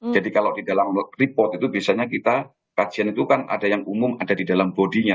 jadi kalau di dalam report itu biasanya kita kajian itu kan ada yang umum ada di dalam bodinya